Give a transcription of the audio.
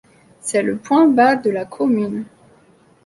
C'est le point bas de la commune.